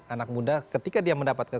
anak muda ketika dia mendapatkan